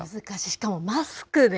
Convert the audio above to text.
しかもマスクで。